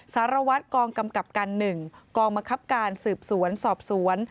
สารวัตรกองกำกับการ๑กองบังคับการสืบสวนสอบสวน